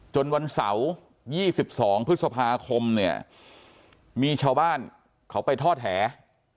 วันเสาร์๒๒พฤษภาคมเนี่ยมีชาวบ้านเขาไปทอดแห